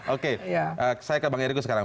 oke saya ke bang eriko sekarang